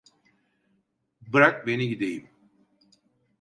Bırak beni gideyim!